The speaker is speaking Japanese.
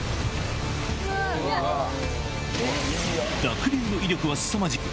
濁流の威力はすさまじく